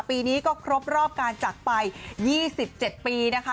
ปีนี้ก็ครบรอบการจักรไป๒๗ปีนะคะ